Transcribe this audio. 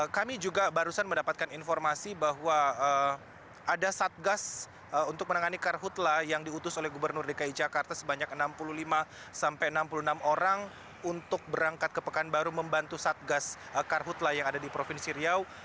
kami juga barusan mendapatkan informasi bahwa ada satgas untuk menangani karhutlah yang diutus oleh gubernur dki jakarta sebanyak enam puluh lima sampai enam puluh enam orang untuk berangkat ke pekanbaru membantu satgas karhutlah yang ada di provinsi riau